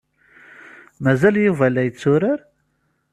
Mazal Yuba la yetturar?